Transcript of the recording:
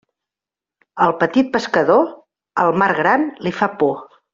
Al petit pescador, el mar gran li fa por.